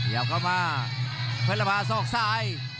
เดี๋ยวเข้ามาเพลภาศอกซ้าย